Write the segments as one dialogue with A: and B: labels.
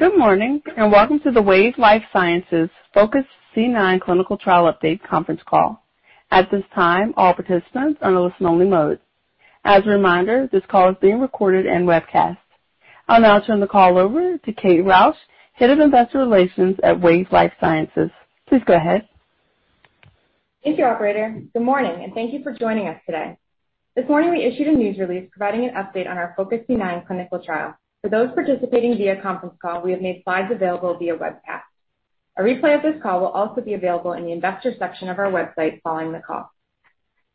A: Good morning, and welcome to the Wave Life Sciences FOCUS-C9 Clinical Trial Update Conference Call. At this time, all participants are in listen-only mode. As a reminder, this call is being recorded and webcast. I'll now turn the call over to Kate Rausch, Head of Investor Relations at Wave Life Sciences. Please go ahead.
B: Thank you, operator. Good morning, and thank you for joining us today. This morning we issued a news release providing an update on our FOCUS-C9 clinical trial. For those participating via conference call, we have made slides available via webcast. A replay of this call will also be available in the investor section of our website following the call.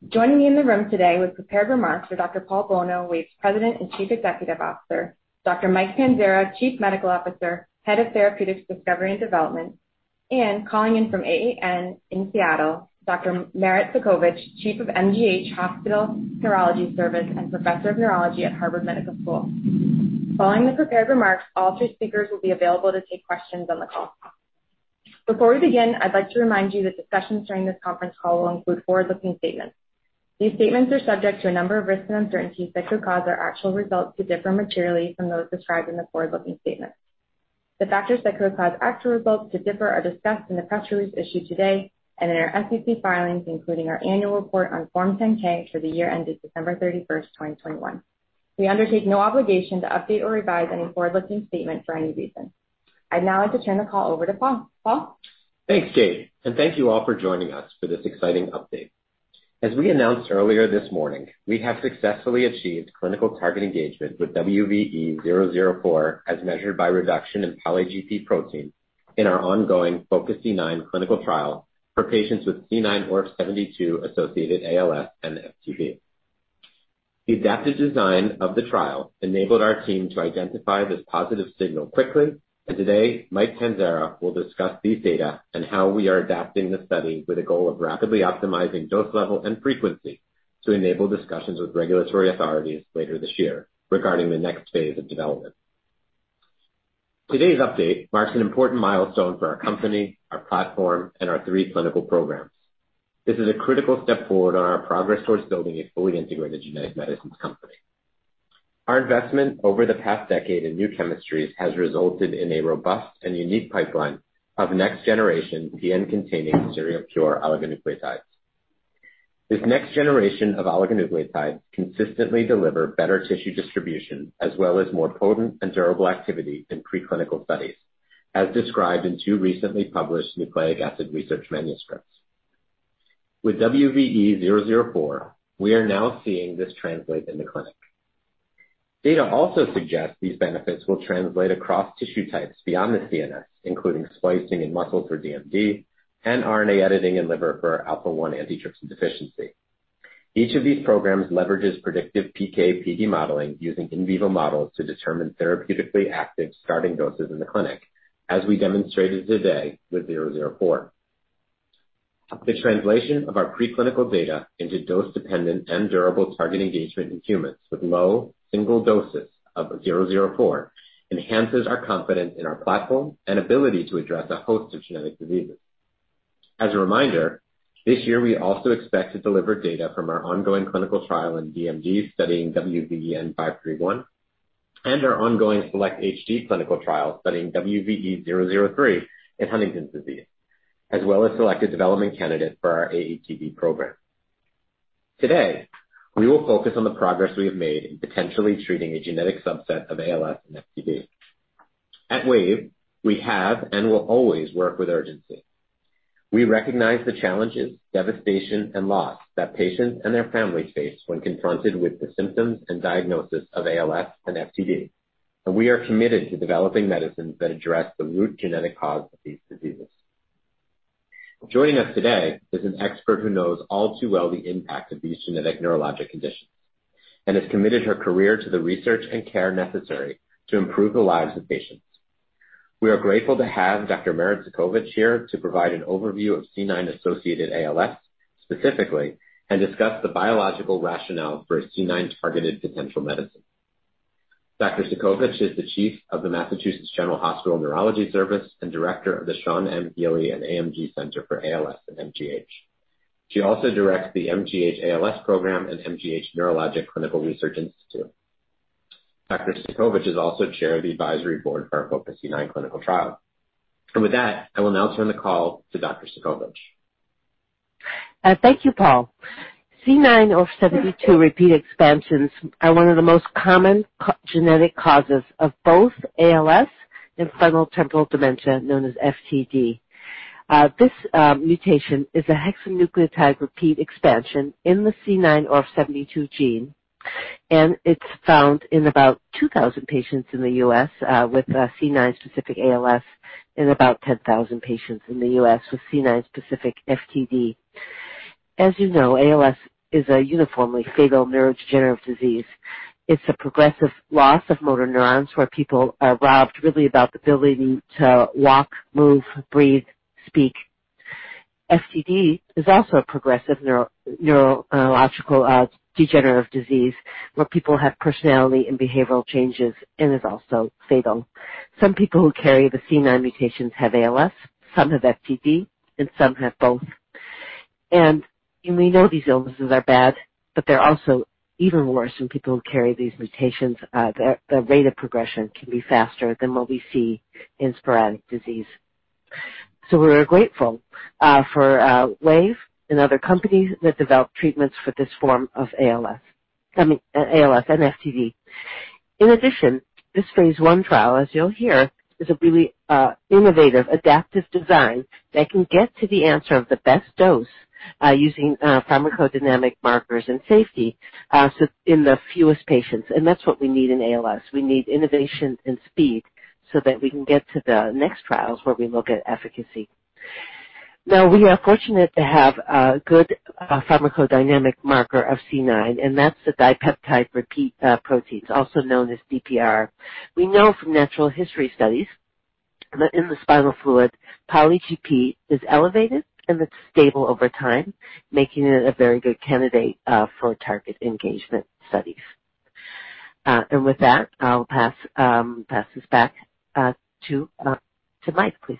B: Joining me in the room today with prepared remarks are Dr. Paul Bolno, Wave's President and Chief Executive Officer, Dr. Mike Panzara, Chief Medical Officer, Head of Therapeutics Discovery and Development, and calling in from AAN in Seattle, Dr. Merit Cudkowicz, Chief of Neurology Service, Massachusetts General Hospital and Professor of Neurology, Harvard Medical School. Following the prepared remarks, all three speakers will be available to take questions on the call. Before we begin, I'd like to remind you that discussions during this conference call will include forward-looking statements. These statements are subject to a number of risks and uncertainties that could cause our actual results to differ materially from those described in the forward-looking statements. The factors that could cause actual results to differ are discussed in the press release issued today and in our SEC filings, including our annual report on Form 10-K for the year ended December 31st, 2021. We undertake no obligation to update or revise any forward-looking statement for any reason. I'd now like to turn the call over to Paul. Paul?
C: Thanks, Kate, and thank you all for joining us for this exciting update. As we announced earlier this morning, we have successfully achieved clinical target engagement with WVE-004 as measured by reduction in polyGP protein in our ongoing FOCUS-C9 clinical trial for patients with C9orf72-associated ALS and FTD. The adaptive design of the trial enabled our team to identify this positive signal quickly, and today Mike Panzara will discuss these data and how we are adapting the study with a goal of rapidly optimizing dose level and frequency to enable discussions with regulatory authorities later this year regarding the next phase of development. Today's update marks an important milestone for our company, our platform, and our three clinical programs. This is a critical step forward on our progress towards building a fully integrated genetic medicines company. Our investment over the past decade in new chemistries has resulted in a robust and unique pipeline of next generation PN-containing stereopure oligonucleotides. This next generation of oligonucleotides consistently deliver better tissue distribution as well as more potent and durable activity in preclinical studies, as described in two recently published Nucleic Acids Research manuscripts. With WVE-004, we are now seeing this translate in the clinic. Data also suggests these benefits will translate across tissue types beyond the CNS, including splicing in muscle for DMD and RNA editing in liver for alpha-1 antitrypsin deficiency. Each of these programs leverages predictive PK/PD modeling using in vivo models to determine therapeutically active starting doses in the clinic, as we demonstrated today with WVE-004. The translation of our preclinical data into dose-dependent and durable target engagement in humans with low single doses of WVE-004 enhances our confidence in our platform and ability to address a host of genetic diseases. As a reminder, this year we also expect to deliver data from our ongoing clinical trial in DMD studying WVE-N531 and our ongoing SELECT-HD clinical trial studying WVE-003 in Huntington's disease, as well as select a development candidate for our AATD program. Today, we will focus on the progress we have made in potentially treating a genetic subset of ALS and FTD. At Wave, we have and will always work with urgency. We recognize the challenges, devastation, and loss that patients and their families face when confronted with the symptoms and diagnosis of ALS and FTD. We are committed to developing medicines that address the root genetic cause of these diseases. Joining us today is an expert who knows all too well the impact of these genetic neurologic conditions and has committed her career to the research and care necessary to improve the lives of patients. We are grateful to have Dr. Merit Cudkowicz here to provide an overview of C9-associated ALS specifically and discuss the biological rationale for a C9-targeted potential medicine. Dr. Cudkowicz is the Chief of the Massachusetts General Hospital Neurology Service and Director of the Sean M. Healey & AMG Center for ALS and MGH. She also directs the MGH ALS Program and MGH Neurological Clinical Research Institute. Dr. Cudkowicz is also Chair of the advisory board for our FOCUS-C9 clinical trial. With that, I will now turn the call to Dr. Cudkowicz.
D: Thank you, Paul. C9orf72 repeat expansions are one of the most common genetic causes of both ALS and frontotemporal dementia known as FTD. This mutation is a hexanucleotide repeat expansion in the C9orf72 gene, and it's found in about 2000 patients in the U.S. with C9orf72-specific ALS in about 10,000 patients in the U.S. with C9orf72-specific FTD. As you know, ALS is a uniformly fatal neurodegenerative disease. It's a progressive loss of motor neurons where people are robbed of the ability to walk, move, breathe, speak. FTD is also a progressive neurological degenerative disease where people have personality and behavioral changes and is also fatal. Some people who carry the C9 mutations have ALS, some have FTD, and some have both. We know these illnesses are bad, but they're also even worse in people who carry these mutations. The rate of progression can be faster than what we see in sporadic disease. We're grateful for Wave and other companies that develop treatments for this form of ALS and FTD. In addition, this phase I trial, as you'll hear, is a really innovative adaptive design that can get to the answer of the best dose using pharmacodynamic markers and safety, so in the fewest patients, and that's what we need in ALS. We need innovation and speed so that we can get to the next trials where we look at efficacy. Now, we are fortunate to have a good pharmacodynamic marker of C9, and that's the dipeptide repeat proteins, also known as DPR. We know from natural history studies that in the spinal fluid, polyGP is elevated, and it's stable over time, making it a very good candidate for target engagement studies. With that, I'll pass this back to Mike, please.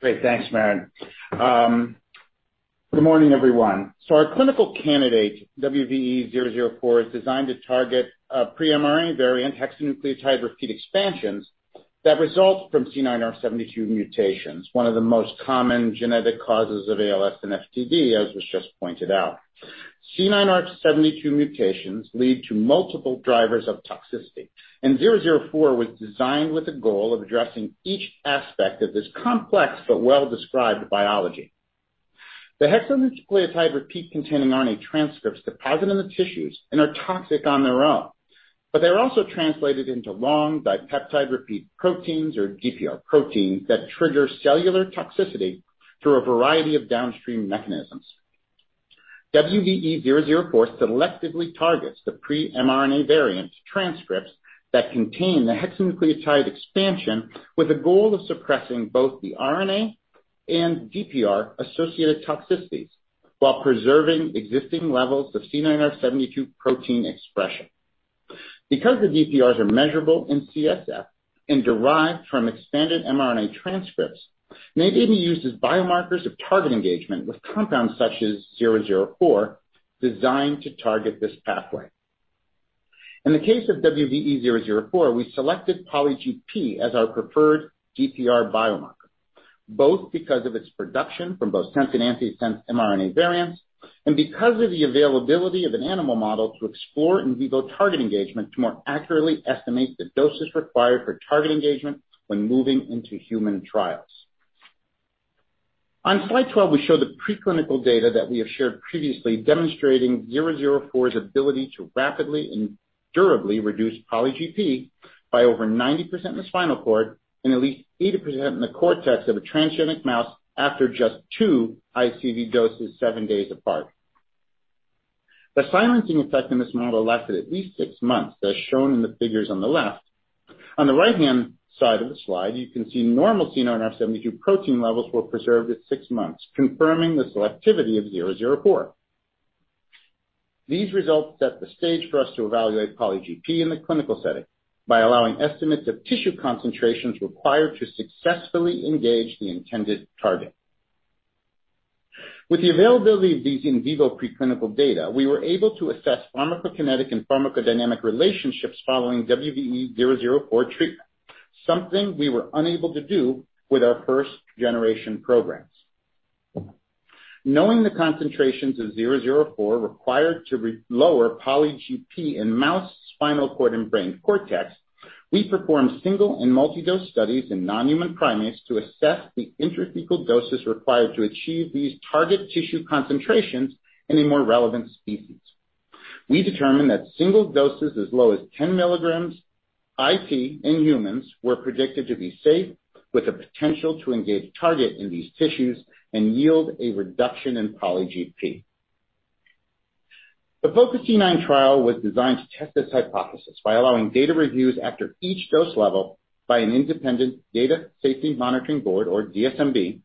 E: Great. Thanks, Merit. Good morning, everyone. Our clinical candidate, WVE-004, is designed to target pre-mRNA variant hexanucleotide repeat expansions that result from C9orf72 mutations, one of the most common genetic causes of ALS and FTD, as was just pointed out. C9orf72 mutations lead to multiple drivers of toxicity, and 004 was designed with the goal of addressing each aspect of this complex but well-described biology. The hexanucleotide repeat-containing RNA transcripts deposit in the tissues and are toxic on their own, but they're also translated into long dipeptide repeat proteins or DPR proteins that trigger cellular toxicity through a variety of downstream mechanisms. WVE-004 selectively targets the pre-mRNA variants transcripts that contain the hexanucleotide expansion with the goal of suppressing both the RNA and DPR-associated toxicities while preserving existing levels of C9orf72 protein expression. Because the DPRs are measurable in CSF and derived from expanded mRNA transcripts, they may be used as biomarkers of target engagement with compounds such as WVE-004, designed to target this pathway. In the case of WVE-004, we selected polyGP as our preferred DPR biomarker, both because of its production from both sense and antisense mRNA variants and because of the availability of an animal model to explore in vivo target engagement to more accurately estimate the doses required for target engagement when moving into human trials. On slide 12, we show the preclinical data that we have shared previously demonstrating WVE-004's ability to rapidly and durably reduce polyGP by over 90% in the spinal cord and at least 80% in the cortex of a transgenic mouse after just two ICV doses seven days apart. The silencing effect in this model lasted at least six months, as shown in the figures on the left. On the right-hand side of the slide, you can see normal C9orf72 protein levels were preserved at six months, confirming the selectivity of WVE-004. These results set the stage for us to evaluate polyGP in the clinical setting by allowing estimates of tissue concentrations required to successfully engage the intended target. With the availability of these in vivo preclinical data, we were able to assess pharmacokinetic and pharmacodynamic relationships following WVE-004 treatment, something we were unable to do with our first-generation programs. Knowing the concentrations of WVE-004 required to lower polyGP in mouse spinal cord and brain cortex, we performed single and multi-dose studies in non-human primates to assess the intrathecal doses required to achieve these target tissue concentrations in a more relevant species. We determined that single doses as low as 10 mg IT in humans were predicted to be safe with the potential to engage target in these tissues and yield a reduction in polyGP. The FOCUS-C9 trial was designed to test this hypothesis by allowing data reviews after each dose level by an independent Data and Safety Monitoring Board or DSMB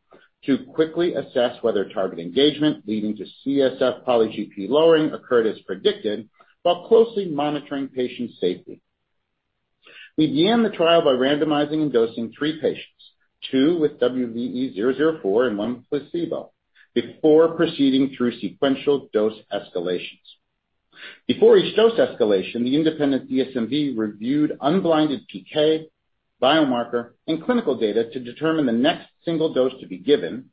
E: to quickly assess whether target engagement leading to CSF polyGP lowering occurred as predicted while closely monitoring patient safety. We began the trial by randomizing and dosing three patients, two with WVE-004 and one with placebo, before proceeding through sequential dose escalations. Before each dose escalation, the independent DSMB reviewed unblinded PK, biomarker, and clinical data to determine the next single dose to be given,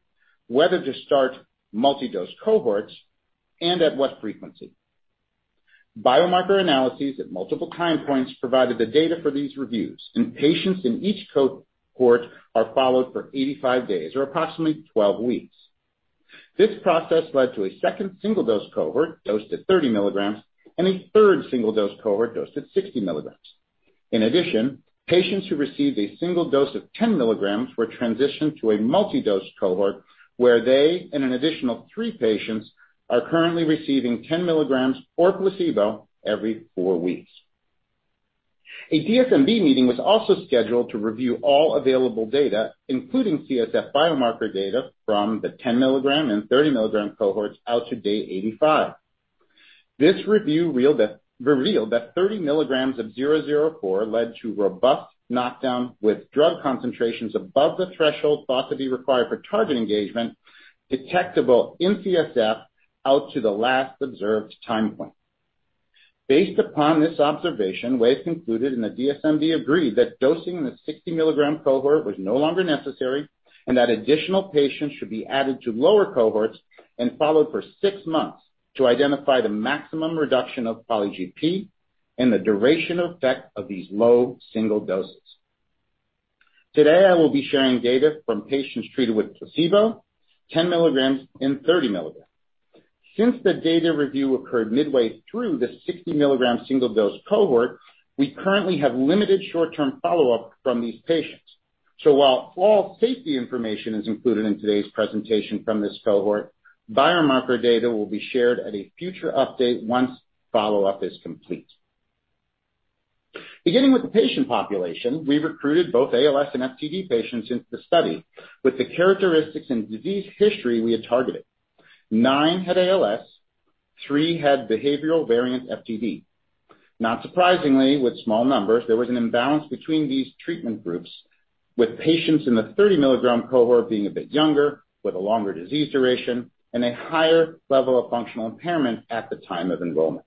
E: whether to start multi-dose cohorts, and at what frequency. Biomarker analyses at multiple time points provided the data for these reviews, and patients in each cohort are followed for 85 days or approximately 12 weeks. This process led to a second single-dose cohort dosed at 30 mg and a third single-dose cohort dosed at 60 mg. In addition, patients who received a single dose of 10 mg were transitioned to a multi-dose cohort, where they and an additional three patients are currently receiving 10 mg or placebo every four weeks. A DSMB meeting was also scheduled to review all available data, including CSF biomarker data from the 10 mg and 30 mg cohorts out to day 85. This review revealed that 30 mg of WVE-004 led to robust knockdown with drug concentrations above the threshold thought to be required for target engagement, detectable in CSF out to the last observed time point. Based upon this observation, Wave concluded, and the DSMB agreed, that dosing in the 60-mg cohort was no longer necessary, and that additional patients should be added to lower cohorts and followed for six months to identify the maximum reduction of polyGP and the duration effect of these low single doses. Today, I will be sharing data from patients treated with placebo, 10 mg and 30 mg. Since the data review occurred midway through the 60 mg single dose cohort, we currently have limited short-term follow-up from these patients. While all safety information is included in today's presentation from this cohort, biomarker data will be shared at a future update once follow-up is complete. Beginning with the patient population, we recruited both ALS and FTD patients into the study with the characteristics and disease history we had targeted. Nine had ALS, three had behavioral variant FTD. Not surprisingly, with small numbers, there was an imbalance between these treatment groups, with patients in the 30 mg cohort being a bit younger, with a longer disease duration and a higher level of functional impairment at the time of enrollment.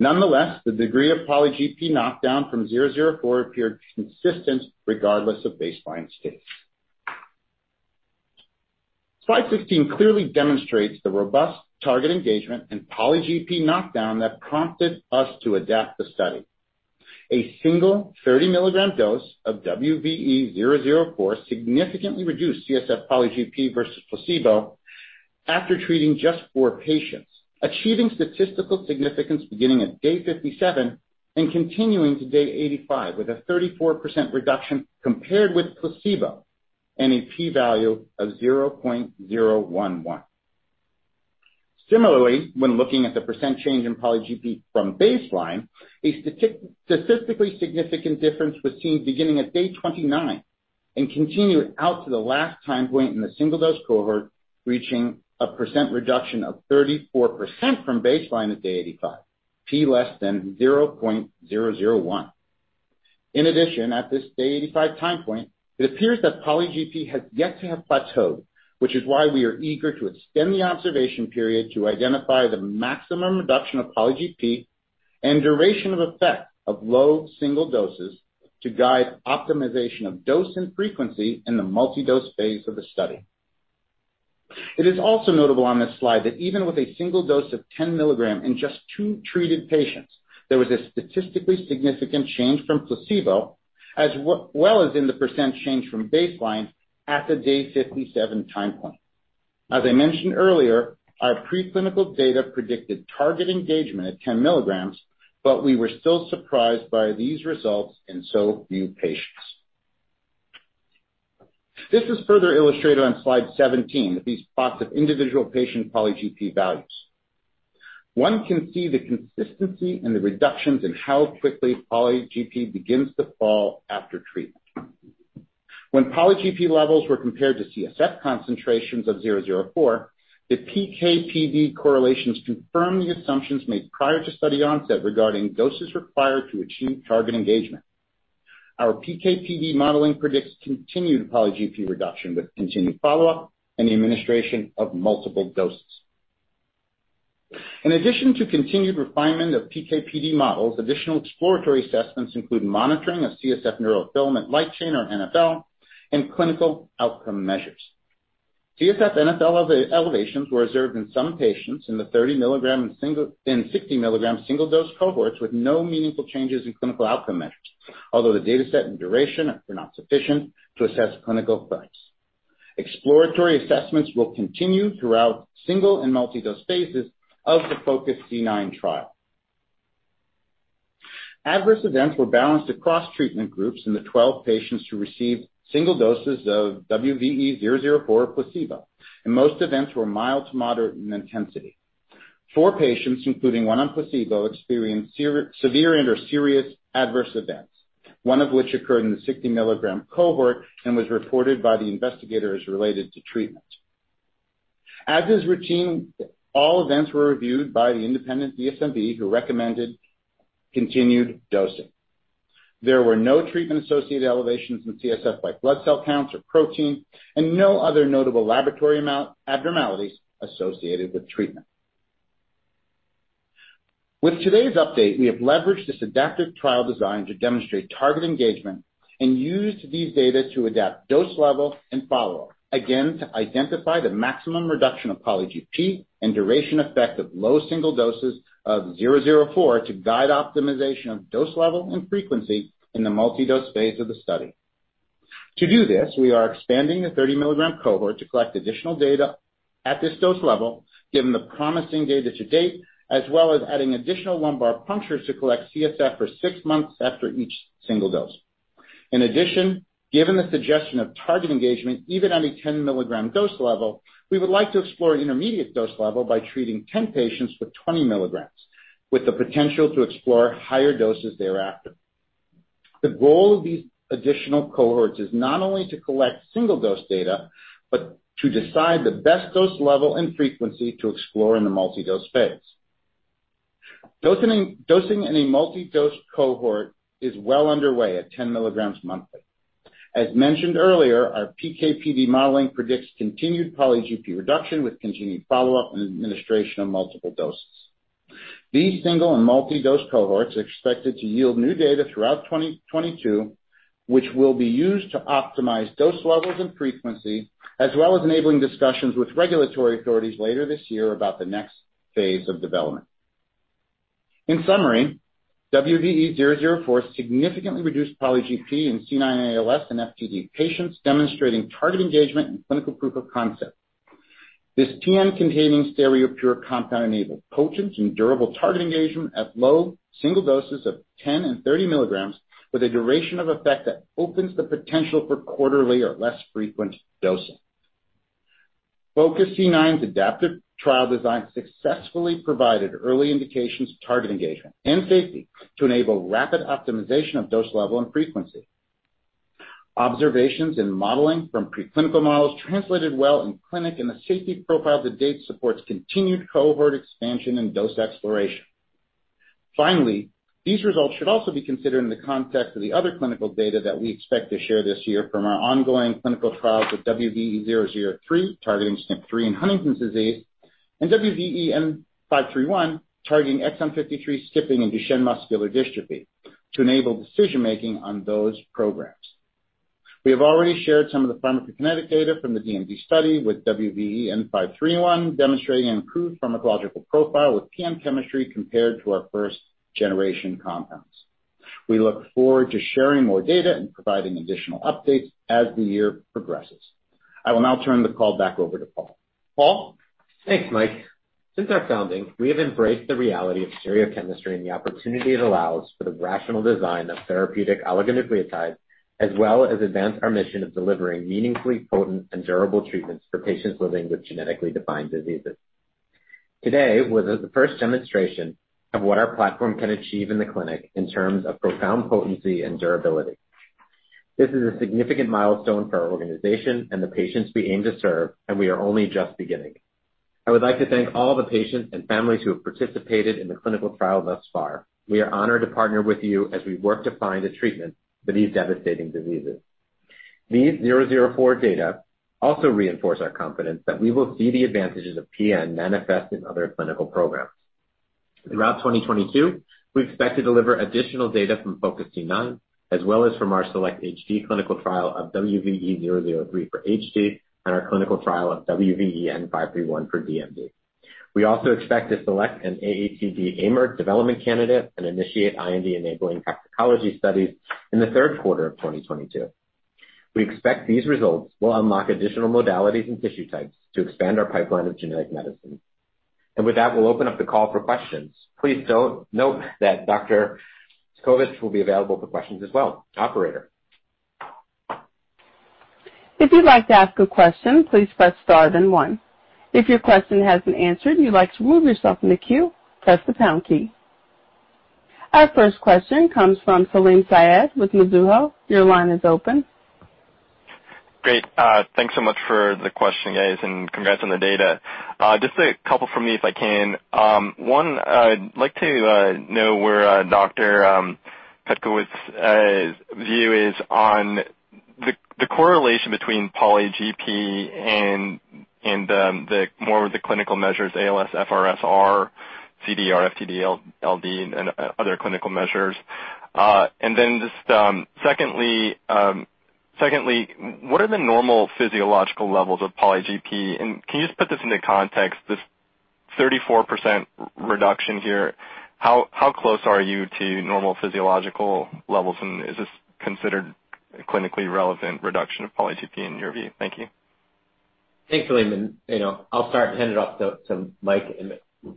E: Nonetheless, the degree of polyGP knockdown from WVE-004 appeared consistent regardless of baseline stage. Slide 15 clearly demonstrates the robust target engagement and polyGP knockdown that prompted us to adapt the study. A single 30 mg dose of WVE-004 significantly reduced CSF polyGP versus placebo after treating just four patients, achieving statistical significance beginning at day 57 and continuing to day 85, with a 34% reduction compared with placebo and a P value of 0.011. Similarly, when looking at the percent change in polyGP from baseline, a statistically significant difference was seen beginning at day 29 and continued out to the last time point in the single dose cohort, reaching a 34% reduction from baseline to day 85. P < 0.001. In addition, at this day 85 time point, it appears that polyGP has yet to have plateaued, which is why we are eager to extend the observation period to identify the maximum reduction of polyGP and duration of effect of low single doses to guide optimization of dose and frequency in the multi-dose phase of the study. It is also notable on this slide that even with a single dose of 10 mg in just two treated patients, there was a statistically significant change from placebo, as well as in the % change from baseline at the day 57 time point. As I mentioned earlier, our preclinical data predicted target engagement at 10 mg, but we were still surprised by these results in so few patients. This is further illustrated on slide 17 with these plots of individual patient polyGP values. One can see the consistency in the reductions in how quickly polyGP begins to fall after treatment. When polyGP levels were compared to CSF concentrations of WVE-004, the PK/PD correlations confirmed the assumptions made prior to study onset regarding doses required to achieve target engagement. Our PK/PD modeling predicts continued polyGP reduction with continued follow-up and the administration of multiple doses. In addition to continued refinement of PK/PD models, additional exploratory assessments include monitoring of CSF neurofilament light chain, or NfL, and clinical outcome measures. CSF NfL elevations were observed in some patients in the 30 mg and 60 mg single dose cohorts with no meaningful changes in clinical outcome measures, although the data set and duration are not sufficient to assess clinical effects. Exploratory assessments will continue throughout single and multi-dose phases of the FOCUS-C9 trial. Adverse events were balanced across treatment groups in the 12 patients who received single doses of WVE-004 or placebo, and most events were mild to moderate in intensity. Four patients, including one on placebo, experienced severe and/or serious adverse events, one of which occurred in the 60 mg cohort and was reported by the investigator as related to treatment. As is routine, all events were reviewed by the independent DSMB who recommended continued dosing. There were no treatment-associated elevations in CSF white blood cell counts or protein and no other notable laboratory abnormalities associated with treatment. With today's update, we have leveraged this adaptive trial design to demonstrate target engagement and used these data to adapt dose level and follow-up, again to identify the maximum reduction of polyGP and duration effect of low single doses of WVE-004 to guide optimization of dose level and frequency in the multi-dose phase of the study. To do this, we are expanding the 30 mg cohort to collect additional data at this dose level given the promising data to date, as well as adding additional lumbar punctures to collect CSF for six months after each single dose. In addition, given the suggestion of target engagement even on a 10 mg dose level, we would like to explore intermediate dose level by treating 10 patients with 20 mg, with the potential to explore higher doses thereafter. The goal of these additional cohorts is not only to collect single-dose data, but to decide the best dose level and frequency to explore in the multi-dose phase. Dosing in a multi-dose cohort is well underway at 10 mg monthly. As mentioned earlier, our PK/PD modeling predicts continued polyGP reduction with continued follow-up and administration of multiple doses. These single and multi-dose cohorts are expected to yield new data throughout 2022, which will be used to optimize dose levels and frequency, as well as enabling discussions with regulatory authorities later this year about the next phase of development. In summary, WVE-004 significantly reduced polyGP in C9 ALS and FTD patients, demonstrating target engagement and clinical proof of concept. This PN-containing stereopure compound enabled potency and durable target engagement at low single doses of 10 mg and 30 mg with a duration of effect that opens the potential for quarterly or less frequent dosing. FOCUS-C9's adaptive trial design successfully provided early indications of target engagement and safety to enable rapid optimization of dose level and frequency. Observations and modeling from preclinical models translated well in clinic, and the safety profile to date supports continued cohort expansion and dose exploration. Finally, these results should also be considered in the context of the other clinical data that we expect to share this year from our ongoing clinical trials with WVE-003 targeting SNP3 in Huntington's disease, and WVE-N531 targeting exon 53 skipping in Duchenne muscular dystrophy to enable decision-making on those programs. We have already shared some of the pharmacokinetic data from the DMD study with WVE-N531, demonstrating improved pharmacological profile with PN chemistry compared to our first generation compounds. We look forward to sharing more data and providing additional updates as the year progresses. I will now turn the call back over to Paul. Paul?
C: Thanks, Mike. Since our founding, we have embraced the reality of stereochemistry and the opportunity it allows for the rational design of therapeutic oligonucleotides, as well as advance our mission of delivering meaningfully potent and durable treatments for patients living with genetically defined diseases. Today was the first demonstration of what our platform can achieve in the clinic in terms of profound potency and durability. This is a significant milestone for our organization and the patients we aim to serve, and we are only just beginning. I would like to thank all the patients and families who have participated in the clinical trial thus far. We are honored to partner with you as we work to find a treatment for these devastating diseases. These WVE-004 data also reinforce our confidence that we will see the advantages of PN manifest in other clinical programs. Throughout 2022, we expect to deliver additional data from FOCUS-C9, as well as from our SELECT-HD clinical trial of WVE-003 for HD and our clinical trial of WVE-N531 for DMD. We also expect to select an AATD AIMer development candidate and initiate IND-enabling toxicology studies in the third quarter of 2022. We expect these results will unlock additional modalities and tissue types to expand our pipeline of genetic medicine. With that, we'll open up the call for questions. Please note that Dr. Cudkowicz will be available for questions as well. Operator?
A: Our first question comes from Salim Syed with Mizuho. Your line is open.
F: Great. Thanks so much for the question, guys, and congrats on the data. Just a couple from me, if I can. One, I'd like to know where Dr. Cudkowicz's view is on the correlation between polyGP and the motor clinical measures, ALSFRS-R, CDR-FTLD, FTD, LD, and other clinical measures. Then just secondly, what are the normal physiological levels of polyGP? And can you just put this into context, this 34% reduction here? How close are you to normal physiological levels, and is this considered a clinically relevant reduction of polyGP in your view? Thank you.
C: Thanks, Salim. You know, I'll start and hand it off to Mike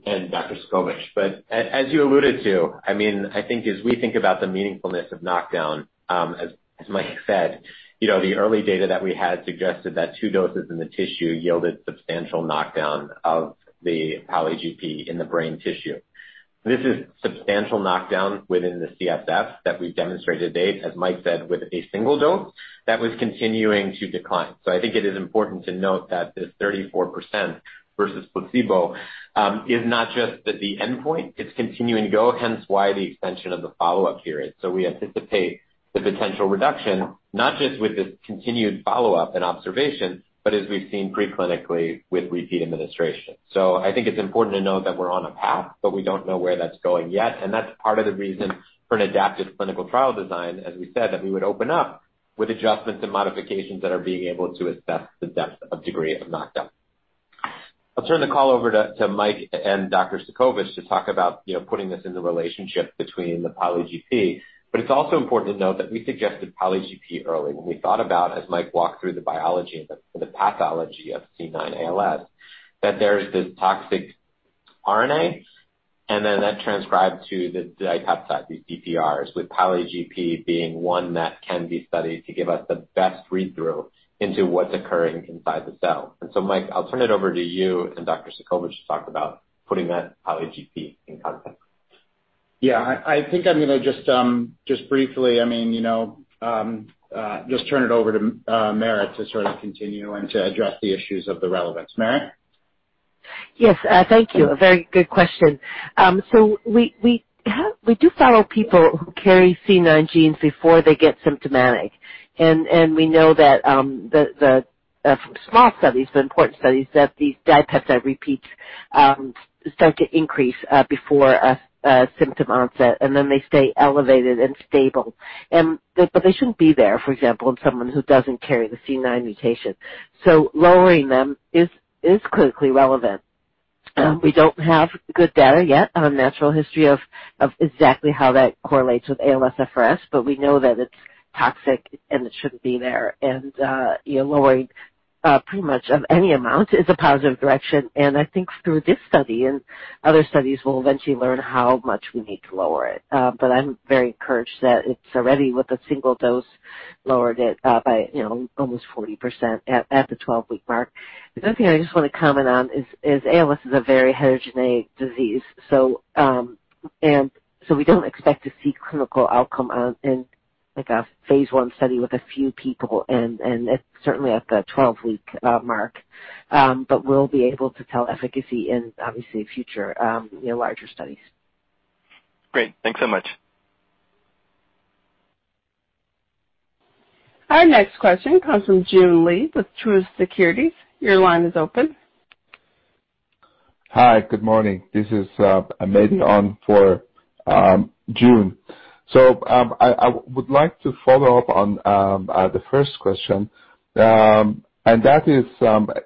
C: and Dr. Cudkowicz. As you alluded to, I mean, I think as we think about the meaningfulness of knockdown, as Mike said, you know, the early data that we had suggested that two doses in the tissue yielded substantial knockdown of the polyGP in the brain tissue. This is substantial knockdown within the CSF that we've demonstrated to date, as Mike said, with a single dose that was continuing to decline. I think it is important to note that this 34% versus placebo is not just at the endpoint, it's continuing to go. Hence, why the extension of the follow-up period. We anticipate the potential reduction, not just with this continued follow-up and observation, but as we've seen pre-clinically with repeat administration. I think it's important to note that we're on a path, but we don't know where that's going yet, and that's part of the reason for an adaptive clinical trial design, as we said, that we would open up with adjustments and modifications that are being able to assess the depth of degree of knockdown. I'll turn the call over to Mike and Dr. Cudkowicz to talk about putting this in the relationship between the polyGP. It's also important to note that we suggested polyGP early when we thought about, as Mike walked through the biology and the pathology of C9 ALS, that there's this toxic RNA and then that transcribed to the dipeptide, these DPRs, with polyGP being one that can be studied to give us the best read-through into what's occurring inside the cell. Mike, I'll turn it over to you and Dr. Cudkowicz to talk about putting that polyGP in context.
E: Yeah, I think I'm gonna just briefly, I mean, you know, just turn it over to Merit Cudkowicz to sort of continue and to address the issues of the relevance. Merit Cudkowicz?
D: Yes. Thank you. A very good question. We do follow people who carry C9orf72 genes before they get symptomatic. We know that small studies, important studies, that these dipeptide repeats start to increase before symptom onset, and then they stay elevated and stable. But they shouldn't be there, for example, in someone who doesn't carry the C9orf72 mutation. Lowering them is clinically relevant. We don't have good data yet on the natural history of exactly how that correlates with ALSFRS, but we know that it's toxic, and it shouldn't be there. You know, lowering pretty much of any amount is a positive direction, and I think through this study and other studies, we'll eventually learn how much we need to lower it. I'm very encouraged that it's already with a single dose, lowered it by, you know, almost 40% at the 12-week mark. The other thing I just wanna comment on is ALS is a very heterogeneous disease. We don't expect to see clinical outcomes in like a phase I study with a few people and certainly at the 12-week mark. We'll be able to tell efficacy in, obviously, future, you know, larger studies.
F: Great. Thanks so much.
A: Our next question comes from Joon Lee with Truist Securities. Your line is open.
G: Hi. Good morning. This is Ahmed on for Joon. I would like to follow up on the first question, and that is,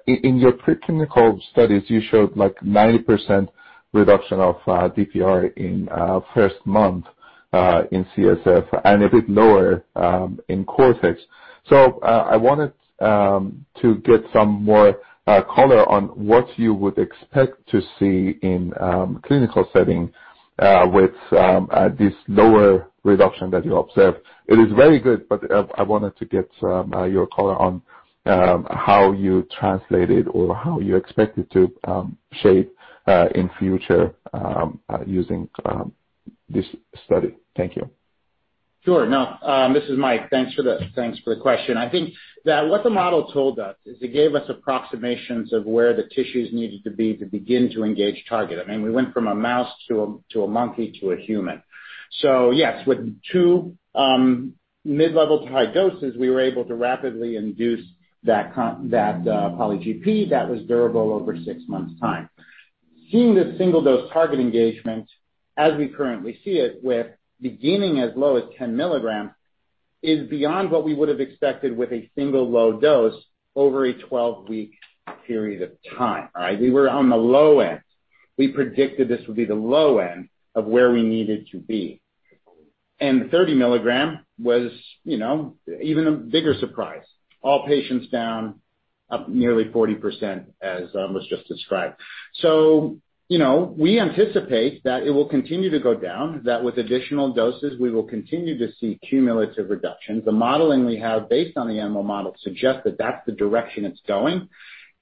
G: in your preclinical studies, you showed like 90% reduction of DPR in first month in CSF and a bit lower in cortex. I wanted to get some more color on what you would expect to see in clinical setting with this lower reduction that you observed. It is very good, but I wanted to get your color on how you translate it or how you expect it to shape in future using this study. Thank you.
E: This is Mike. Thanks for the question. I think that what the model told us is it gave us approximations of where the tissues needed to be to begin to engage target. I mean, we went from a mouse to a monkey to a human. Yes, with two mid-level to high doses, we were able to rapidly induce that polyGP that was durable over six months time. Seeing the single dose target engagement as we currently see it with beginning as low as 10 mg, is beyond what we would have expected with a single low dose over a 12-week period of time. All right? We were on the low end. We predicted this would be the low end of where we needed to be. Thirty milligram was, you know, even a bigger surprise. All patients down up nearly 40% as was just described. You know, we anticipate that it will continue to go down. That with additional doses, we will continue to see cumulative reductions. The modeling we have based on the animal model suggests that that's the direction it's going.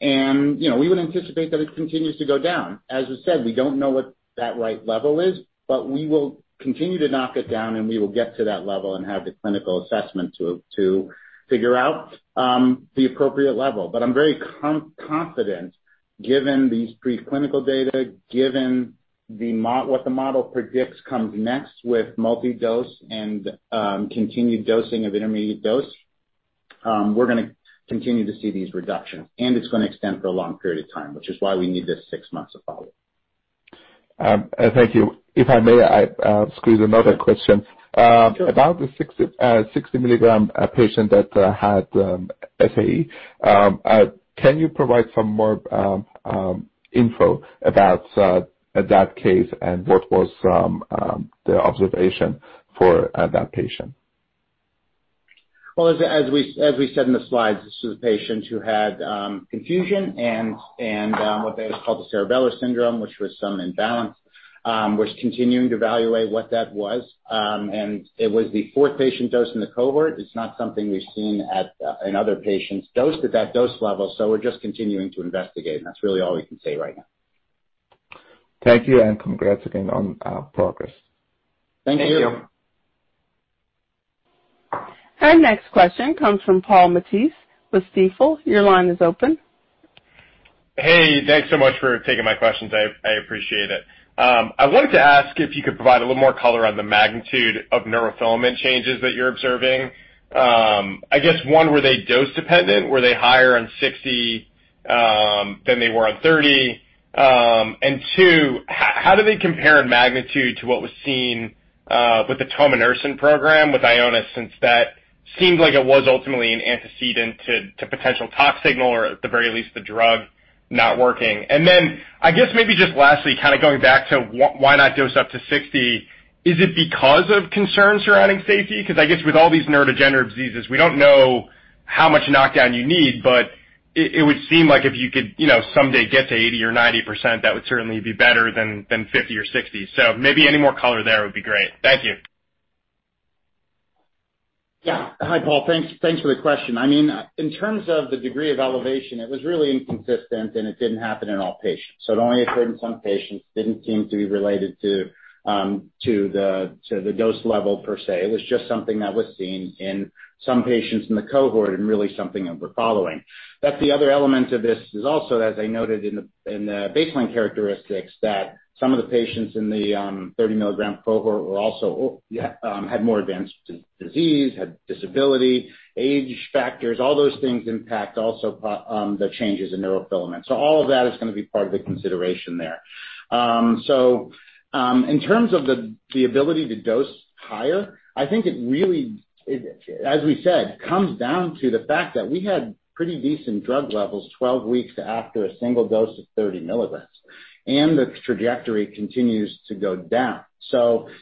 E: You know, we would anticipate that it continues to go down. As we said, we don't know what that right level is, but we will continue to knock it down, and we will get to that level and have the clinical assessment to figure out the appropriate level. I'm very confident given these preclinical data, given what the model predicts comes next with multi-dose and continued dosing of intermediate dose, we're gonna continue to see these reductions, and it's gonna extend for a long period of time, which is why we need this six months of follow-up.
G: Thank you. If I may, I squeeze another question.
E: Sure.
G: About the 60 mg patient that had SAE. Can you provide some more info about that case and what was the observation for that patient?
E: Well, as we said in the slides, this is a patient who had confusion and what they would call the cerebellar syndrome, which was some imbalance. We're continuing to evaluate what that was. It was the fourth patient dose in the cohort. It's not something we've seen at in other patients dosed at that dose level, so we're just continuing to investigate. That's really all we can say right now.
G: Thank you, and congrats again on progress.
E: Thank you.
A: Our next question comes from Paul Matteis with Stifel. Your line is open.
H: Hey, thanks so much for taking my questions. I appreciate it. I wanted to ask if you could provide a little more color on the magnitude of neurofilament changes that you're observing. I guess one, were they dose dependent? Were they higher on 60 than they were on 30? And two, how do they compare in magnitude to what was seen with the tominersen program with Ionis? Since that seemed like it was ultimately an antecedent to potential tox signal, or at the very least, the drug not working. I guess maybe just lastly, kinda going back to why not dose up to 60, is it because of concerns surrounding safety? Because I guess with all these neurodegenerative diseases, we don't know how much knockdown you need, but it would seem like if you could, you know, someday get to 80% or 90%, that would certainly be better than 50 or 60. Maybe any more color there would be great. Thank you.
E: Yeah. Hi, Paul. Thanks for the question. I mean, in terms of the degree of elevation, it was really inconsistent, and it didn't happen in all patients. It only occurred in some patients, didn't seem to be related to the dose level per se. It was just something that was seen in some patients in the cohort and really something that we're following. But the other element of this is also, as I noted in the baseline characteristics, that some of the patients in the 30 mg cohort were also had more advanced disease, had disability, age factors. All those things impact also the changes in neurofilaments. All of that is gonna be part of the consideration there. In terms of the ability to dose higher, I think it really, as we said, comes down to the fact that we had pretty decent drug levels 12 weeks after a single dose of 30 mg, and the trajectory continues to go down.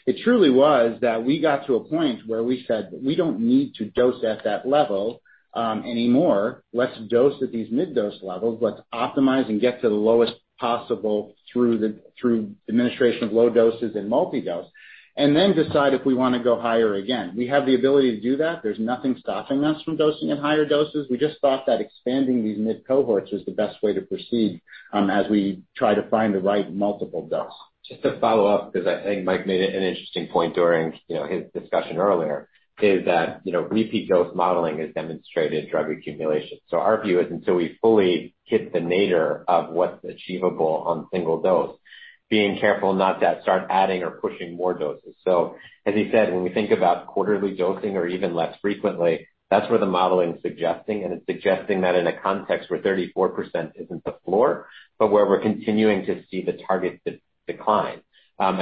E: It truly was that we got to a point where we said we don't need to dose at that level anymore. Let's dose at these mid-dose levels. Let's optimize and get to the lowest possible through administration of low doses and multi-dose, and then decide if we wanna go higher again. We have the ability to do that. There's nothing stopping us from dosing at higher doses. We just thought that expanding these mid cohorts was the best way to proceed, as we try to find the right multiple dose.
C: Just to follow up, 'cause I think Mike made it an interesting point during, you know, his discussion earlier, is that, you know, repeat dose modeling has demonstrated drug accumulation. So our view is until we fully hit the nadir of what's achievable on single dose, being careful not to start adding or pushing more doses. So as he said, when we think about quarterly dosing or even less frequently, that's where the modeling's suggesting, and it's suggesting that in a context where 34% isn't the floor, but where we're continuing to see the target decline.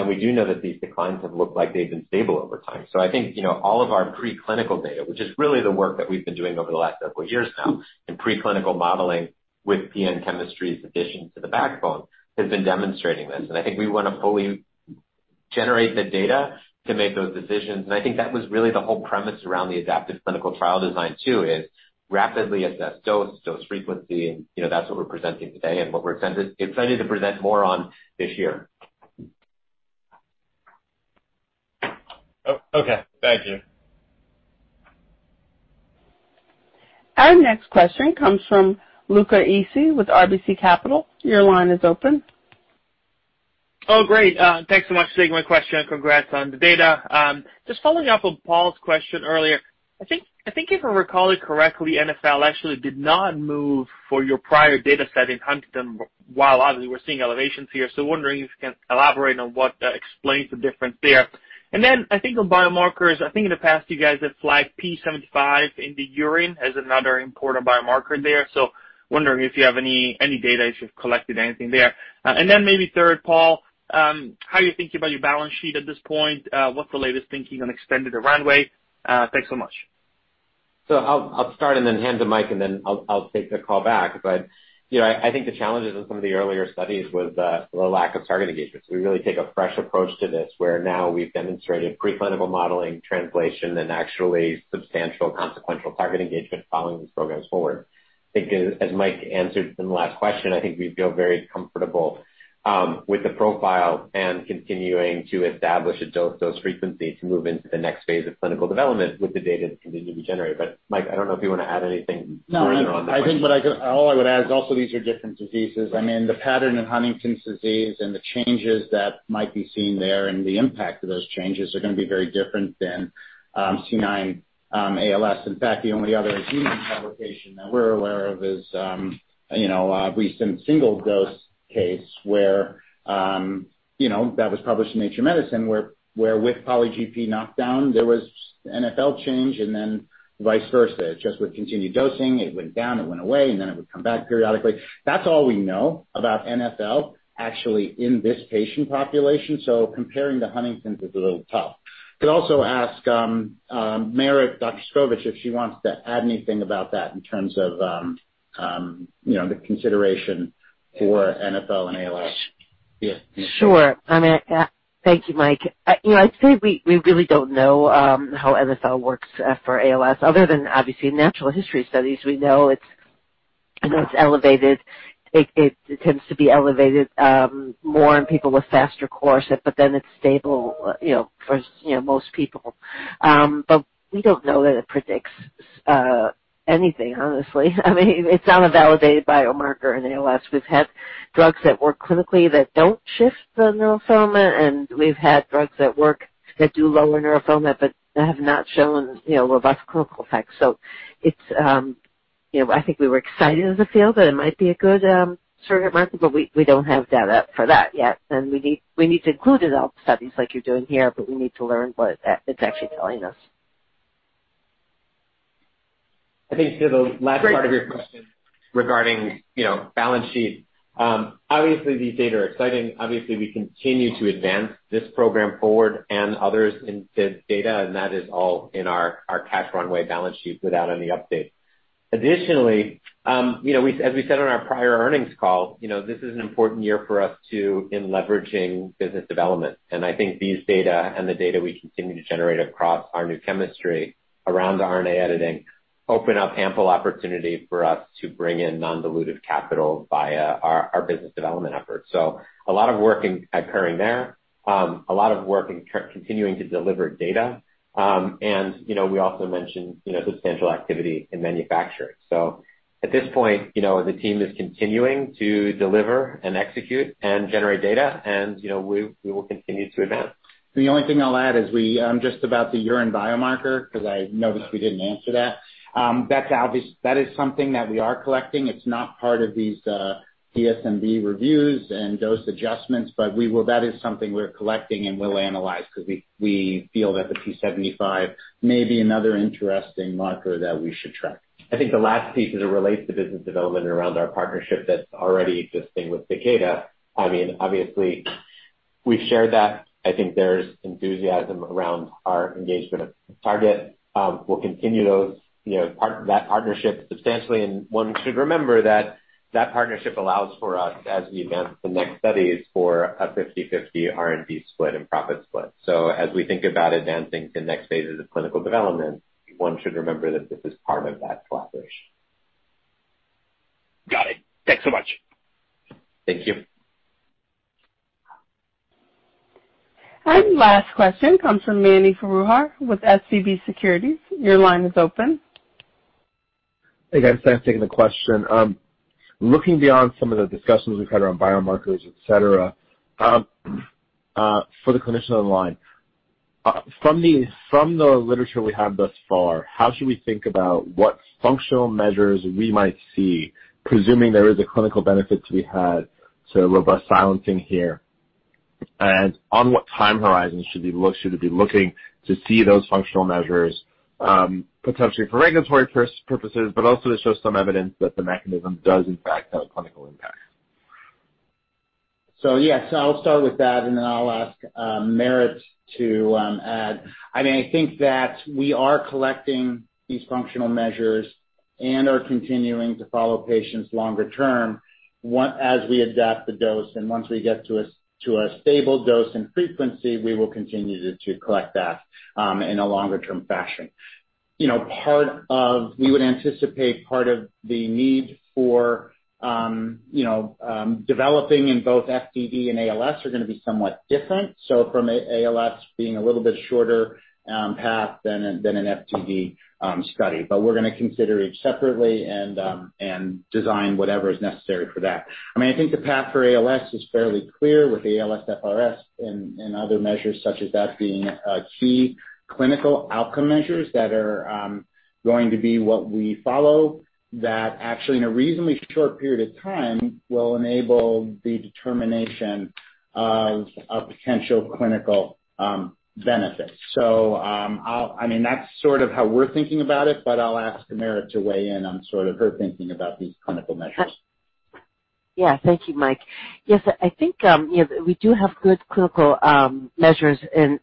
C: We do know that these declines have looked like they've been stable over time. I think, you know, all of our preclinical data, which is really the work that we've been doing over the last several years now in preclinical modeling with PN chemistry's addition to the backbone, has been demonstrating this. I think we wanna fully generate the data to make those decisions. I think that was really the whole premise around the adaptive clinical trial design too, is rapidly assess dose frequency. You know, that's what we're presenting today and what we're excited to present more on this year.
H: Oh, okay. Thank you.
A: Our next question comes from Luca Issi with RBC Capital. Your line is open.
I: Oh, great. Thanks so much for taking my question. Congrats on the data. Just following up on Paul's question earlier. I think if I recall it correctly, NfL actually did not move for your prior data set in Huntington while obviously we're seeing elevations here. Wondering if you can elaborate on what explains the difference there. I think on biomarkers, I think in the past you guys have flagged p75 in the urine as another important biomarker there. Wondering if you have any data, if you've collected anything there. Maybe third, Paul, how you thinking about your balance sheet at this point? What's the latest thinking on extending the runway? Thanks so much.
C: I'll start and then hand to Mike and then I'll take the call back. You know, I think the challenges in some of the earlier studies was the lack of target engagement. We really take a fresh approach to this, where now we've demonstrated preclinical modeling translation and actually substantial consequential target engagement following these programs forward. I think as Mike answered in the last question, I think we feel very comfortable with the profile and continuing to establish a dose frequency to move into the next phase of clinical development with the data that continue to be generated. Mike, I don't know if you wanna add anything further on that.
E: No. I think all I would add is also these are different diseases. I mean, the pattern in Huntington's disease and the changes that might be seen there and the impact of those changes are gonna be very different than C9 ALS. In fact, the only other human publication that we're aware of is, you know, a recent single dose case where, you know, that was published in Nature Medicine, where with polyGP knockdown there was NFL change and then vice versa. It just would continue dosing, it went down, it went away, and then it would come back periodically. That's all we know about NFL actually in this patient population. So comparing to Huntington's is a little tough. Could also ask Merit, Dr. Dr. Cudkowicz, if she wants to add anything about that in terms of, you know, the consideration for NfL and ALS.
C: Yeah.
D: Sure. I mean, thank you, Mike. You know, I'd say we really don't know how NfL works for ALS other than obviously in natural history studies. We know it's elevated. It tends to be elevated more in people with faster course, but then it's stable, you know, for most people. But we don't know that it predicts anything, honestly. I mean, it's not a validated biomarker in ALS. We've had drugs that work clinically that don't shift the neurofilament, and we've had drugs that work that do lower neurofilament but have not shown, you know, robust clinical effects. It's you know, I think we were excited as a field that it might be a good surrogate marker, but we don't have data for that yet. We need to include it in all the studies like you're doing here, but we need to learn what it's actually telling us.
C: I think to the last part of your question regarding, you know, balance sheet, obviously these data are exciting. Obviously, we continue to advance this program forward and others in this data, and that is all in our cash runway balance sheet without any update. Additionally, you know, we as we said on our prior earnings call, you know, this is an important year for us, too, in leveraging business development. I think these data and the data we continue to generate across our new chemistry around the RNA editing open up ample opportunity for us to bring in non-dilutive capital via our business development efforts. A lot of work occurring there, a lot of work continuing to deliver data. You know, we also mentioned, you know, substantial activity in manufacturing. At this point, you know, the team is continuing to deliver and execute and generate data and, you know, we will continue to advance.
E: The only thing I'll add is we just about the urine biomarker because I noticed we didn't answer that. That is something that we are collecting. It's not part of these DSMB reviews and dose adjustments, but that is something we're collecting and will analyze 'cause we feel that the p75 may be another interesting marker that we should track.
C: I think the last piece as it relates to business development around our partnership that's already existing with Takeda, I mean, obviously we've shared that. I think there's enthusiasm around our engagement at Takeda. We'll continue those, you know, that partnership substantially. One should remember that that partnership allows for us, as we advance the next studies, for a 50/50 R&D split and profit split. As we think about advancing to next phases of clinical development, one should remember that this is part of that collaboration.
I: Got it. Thanks so much.
C: Thank you.
A: Last question comes from Mani Foroohar with SVB Securities. Your line is open.
J: Hey, guys. Thanks. Taking the question. Looking beyond some of the discussions we've had around biomarkers, et cetera, for the clinician on the line, from the literature we have thus far, how should we think about what functional measures we might see, presuming there is a clinical benefit to be had to robust silencing here? And on what time horizon should we be looking to see those functional measures, potentially for regulatory purposes, but also to show some evidence that the mechanism does in fact have a clinical impact?
E: Yes, I'll start with that, and then I'll ask Merit to add. I mean, I think that we are collecting these functional measures and are continuing to follow patients longer term as we adapt the dose. Once we get to a stable dose and frequency, we will continue to collect that in a longer term fashion. You know, we would anticipate part of the need for developing in both FTD and ALS are gonna be somewhat different. ALS being a little bit shorter path than an FTD study. We're gonna consider each separately and design whatever is necessary for that. I mean, I think the path for ALS is fairly clear with ALSFRS and other measures such as that being key clinical outcome measures that are going to be what we follow that actually in a reasonably short period of time will enable the determination of potential clinical benefits. I mean, that's sort of how we're thinking about it, but I'll ask Merit to weigh in on sort of her thinking about these clinical measures.
D: Yeah. Thank you, Mike. Yes, I think you know, we do have good clinical measures in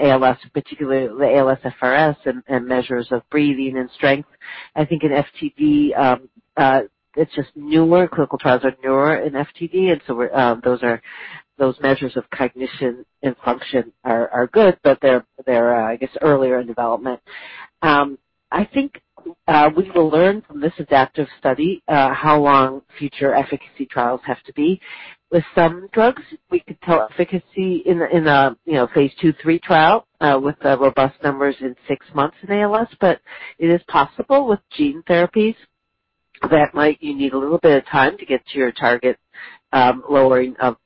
D: ALS, particularly the ALSFRS and measures of breathing and strength. I think in FTD it's just newer. Clinical trials are newer in FTD. Those measures of cognition and function are good, but they're I guess, earlier in development. I think we will learn from this adaptive study how long future efficacy trials have to be. With some drugs, we could tell efficacy in a you know, phase II/III trial with the robust numbers in six months in ALS, but it is possible with gene therapies that you might need a little bit of time to get to your target lowering of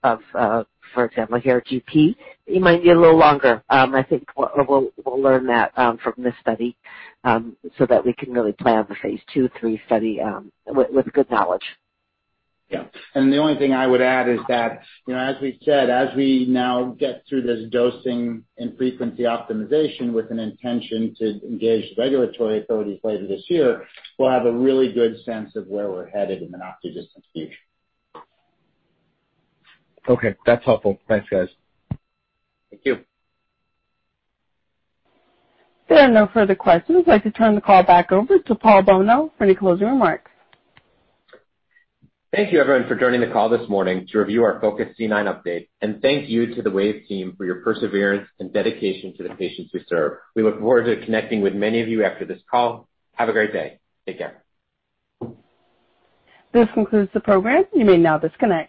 D: for example, polyGP. It might be a little longer. I think we'll learn that from this study so that we can really plan the phase II/III study with good knowledge.
E: Yeah. The only thing I would add is that, you know, as we've said, as we now get through this dosing and frequency optimization with an intention to engage the regulatory authorities later this year, we'll have a really good sense of where we're headed in the not too distant future.
J: Okay. That's helpful. Thanks, guys.
C: Thank you.
A: There are no further questions. I'd like to turn the call back over to Paul Bolno for any closing remarks.
C: Thank you, everyone, for joining the call this morning to review our FOCUS-C9 update. Thank you to the Wave team for your perseverance and dedication to the patients we serve. We look forward to connecting with many of you after this call. Have a great day. Take care.
A: This concludes the program. You may now disconnect.